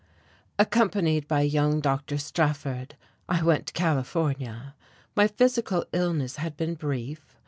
Accompanied by young Dr. Strafford, I went to California. My physical illness had been brief.